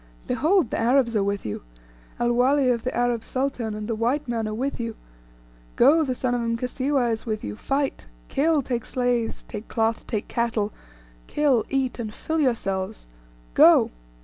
Behold, the Arabs are with you, El Wali of the Arab sultan, and the white man are with you. Go, the son of Mkasiwa is with you; fight; kill, take slaves, take cloth, take cattle, kill, eat, and fill yourselves! Go!"